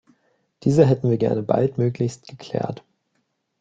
Diese hätten wir gerne baldmöglichst geklärt.